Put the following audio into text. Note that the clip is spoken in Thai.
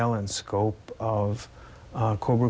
ในประเหตุศาสตร์